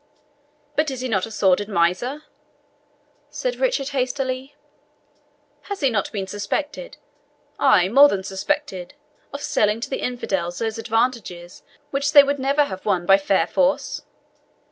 "But is he not a sordid miser?" said Richard hastily; "has he not been suspected ay, more than suspected of selling to the infidels those advantages which they would never have won by fair force?